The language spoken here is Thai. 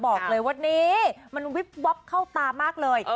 บอกเลยว่านี้มันวิบวับเข้าตามากเลย